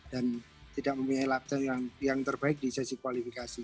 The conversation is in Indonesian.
dan tidak memiliki lap time yang terbaik di sesi kualifikasi